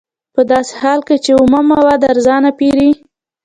په داسې حال کې چې اومه مواد ارزانه پېري